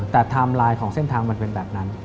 แต่ไทม์ไลน์ของเส้นทางมันเป็นแบบนั้น